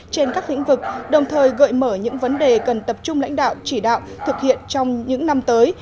trên các lĩnh vực đồng thời gợi mở những vấn đề cần tập trung lãnh đạo chỉ đạo thực hiện trong những năm tới